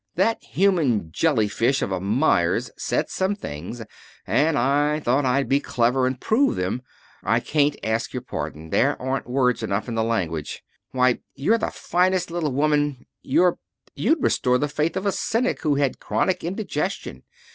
That human jellyfish of a Meyers said some things, and I thought I'd be clever and prove them. I can't ask your pardon. There aren't words enough in the language. Why, you're the finest little woman you're you'd restore the faith of a cynic who had chronic indigestion.